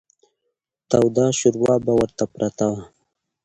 توده شوروا به ورته پرته وه.